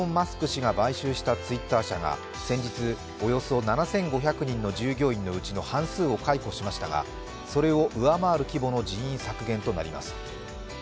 氏が買収した企業が、先日、およそ７５００人の従業員のうちの半数を解雇しましたがそれを上回る規模の人員削減となります。